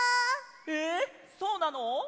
えっそうなの！？